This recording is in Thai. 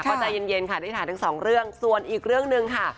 ก็ใจเย็นค่ะได้ถามทั้งสองเรื่องส่วนอีกเรื่องหนึ่งค่ะ